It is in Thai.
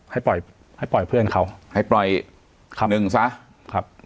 ให้ปล่อยให้ปล่อยเพื่อนเขาให้ปล่อยคำหนึ่งซะครับ